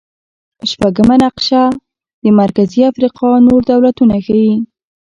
شپږمه نقشه د مرکزي افریقا نور دولتونه ښيي.